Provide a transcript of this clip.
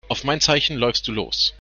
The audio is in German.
Auf mein Zeichen läufst du los.